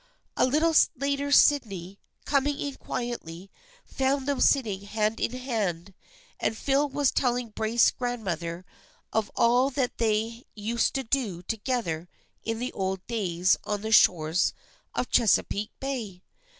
A little later Sydney, coming in quietly, found them sitting hand in hand, and Phil was telling Braith's grandmother of all that they used to do together in the old days on the shores of Chesa peake Bay.